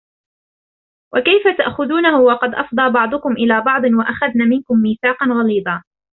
وَكَيْفَ تَأْخُذُونَهُ وَقَدْ أَفْضَى بَعْضُكُمْ إِلَى بَعْضٍ وَأَخَذْنَ مِنْكُمْ مِيثَاقًا غَلِيظًا